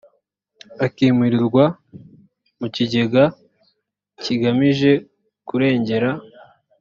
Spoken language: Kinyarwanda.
akimurirwa mu kigega kigamije kurengera